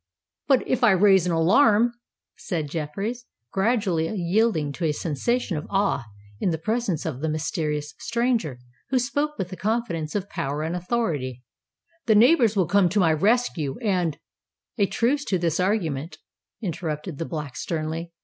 "But if I raise an alarm," said Jeffreys, gradually yielding to a sensation of awe in the presence of the mysterious stranger who spoke with the confidence of power and authority, "the neighbours will come to my rescue, and——" "A truce to this argument," interrupted the Black, sternly.